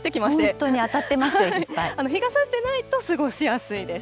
本当に当たってますよ、いっ日がさしてないと、過ごしやすいです。